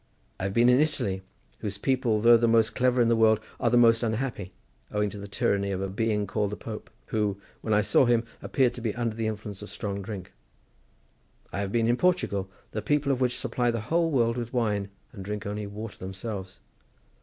I have been in Italy, whose people, though the most clever in the world, are the most unhappy, owing to the tyranny of a being called the Pope, who, when I saw him, appeared to be under the influence of strong drink. I have been in Portugal, the people of which supply the whole world with wine, and drink only water themselves.